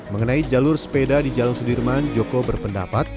mengenai jalur sepeda di jalan sudirman joko berpendapat